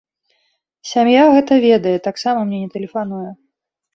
Сям'я гэта ведае і таксама мне не тэлефануе.